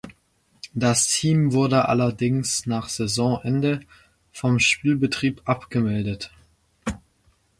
Das Team wurde allerdings nach Saisonende vom Spielbetrieb abgemeldet.